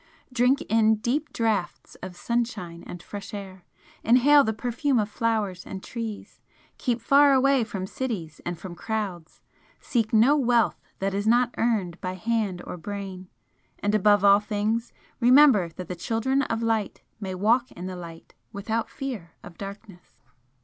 Drink in deep draughts of sunshine and fresh air, inhale the perfume of flowers and trees, keep far away from cities and from crowds seek no wealth that is not earned by hand or brain and above all things remember that the Children of Light may walk in the Light without fear of darkness!"